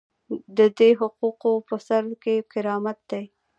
د دې حقوقو په سر کې کرامت دی.